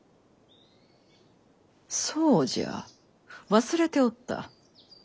そうじゃ忘れておった。